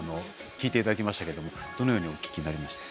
聞いていただきましたけれどもどのようにお聞きになりましたか？